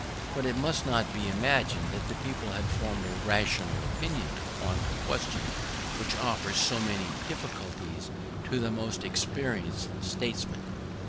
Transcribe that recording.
But it must not be imagined that the people had formed a rational opinion upon a question which offers so many difficulties to the most experienced statesmen.